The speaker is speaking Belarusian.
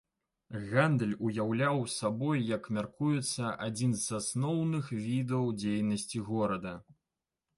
Гандаль уяўляў сабой, як мяркуецца, адзін з асноўных відаў дзейнасці горада.